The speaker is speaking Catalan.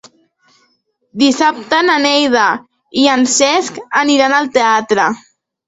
Dissabte na Neida i en Cesc aniran al teatre.